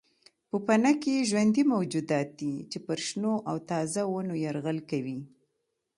پوپنکي ژوندي موجودات دي چې پر شنو او تازه ونو یرغل کوي.